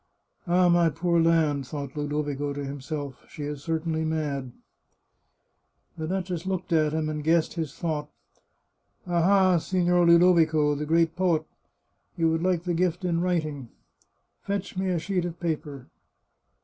" Ah, my poor land !" thought Ludovico to himself. " She certainly is mad." The duchess looked at him and guessed his thought. " Aha, Signor Ludovico, the great poet ! You would like the gift in writing. Fetch me a sheet of paper."